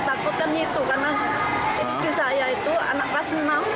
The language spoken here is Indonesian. saya takutkan itu karena itu saya itu anak kelas enam